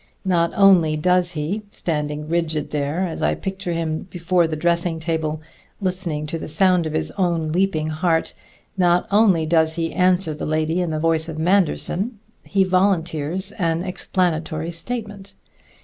Not only does he standing rigid there, as I picture him, before the dressing table, listening to the sound of his own leaping heart not only does he answer the lady in the voice of Manderson; he volunteers an explanatory statement.